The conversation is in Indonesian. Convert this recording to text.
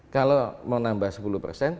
kalau mau nambah sebagian